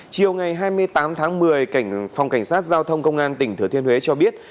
chiều ngày hai mươi tám tháng một mươi cảnh phòng cảnh sát giao thông công an tỉnh thừa thiên huế cho biết